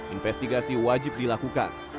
investigasi wajib dilakukan